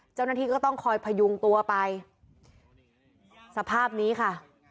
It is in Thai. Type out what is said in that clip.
เจ้าหน้าที่ก็ต้องคอยพยุงตัวไปสภาพนี้ค่ะ